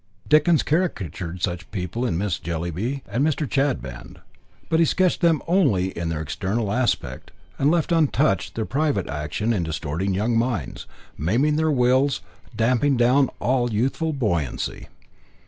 Dickens caricatured such people in Mrs. Jellyby and Mr. Chadband; but he sketched them only in their external aspect, and left untouched their private action in distorting young minds, maiming their wills, damping down all youthful buoyancy.